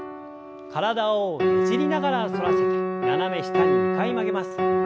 体をねじりながら反らせて斜め下に２回曲げます。